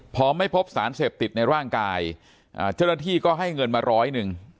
พอไม่พบสารเสพติดในร่างกายเจ้าหน้าที่ก็ให้เงินมาร้อยหนึ่ง